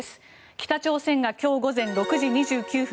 北朝鮮が今日午前６時２９分